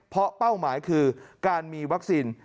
เพราะเป้าหมายคือการมีวัคซีน